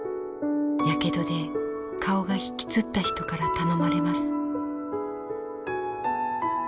やけどで顔が引きつった人から頼まれます」。